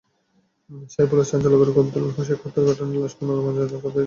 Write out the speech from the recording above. শেরপুরে চাঞ্চল্যকর কবদুল শেখ হত্যার ঘটনায় লাশ পুনঃ ময়নাতদন্তের নির্দেশ দিয়েছেন আদালত।